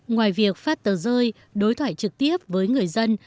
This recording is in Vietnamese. ngoài việc phát tờ rơi đối thoại trực tiếp với người dân